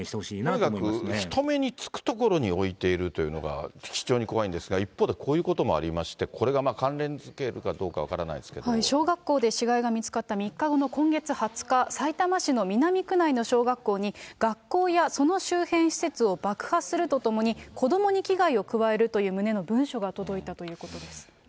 とにかく、人目につく所に置いているというのが、非常に怖いんですが、一方でこういうこともありまして、これがまあ、関連づけるかどうか、小学校で死骸が見つかった３日後の今月２０日、さいたま市の南区内の小学校に、学校やその周辺施設を爆破するとともに、子どもに危害を加えるという旨の文書が届いたということです。